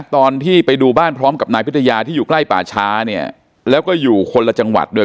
ตอนที่ไปดูบ้านพร้อมกับนายพิทยาที่อยู่ใกล้ป่าช้าเนี่ยแล้วก็อยู่คนละจังหวัดด้วย